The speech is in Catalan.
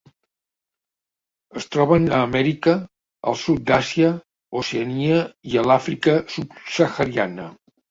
Es troben a Amèrica, el sud d'Àsia, Oceania i a l'Àfrica subsahariana.